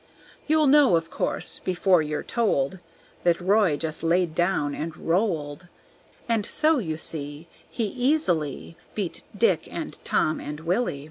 You'll know of course before you're told That Roy just laid him down and rolled; And so, you see, He easily Beat Dick and Tom and Willy.